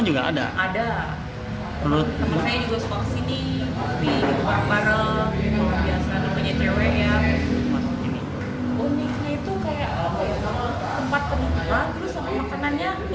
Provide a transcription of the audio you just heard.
uniknya itu kayak tempat penitipan terus makannya unik unik juga